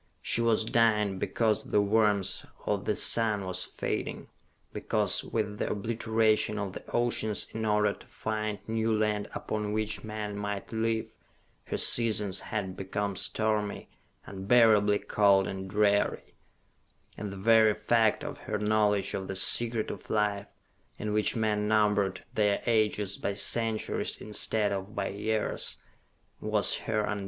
She was dying because the warmth of the sun was fading; because, with the obliteration of the oceans in order to find new land upon which men might live, her seasons had become stormy, unbearably cold and dreary: and the very fact of her knowledge of the Secret of Life, in which men numbered their ages by centuries instead of by years, was her undoing.